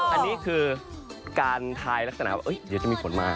อันนี้คือการทายลักษณะว่าเดี๋ยวจะมีขนมา